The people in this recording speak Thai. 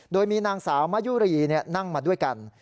โดยมีนางสาวมะยุรีนั่งมาด้วยกัน